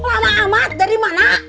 lama amat dari mana